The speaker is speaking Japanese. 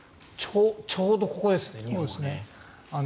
ちょうどここですね、日本が。